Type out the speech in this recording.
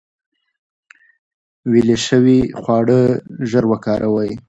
ویلې شوي خواړه ژر وکاروئ.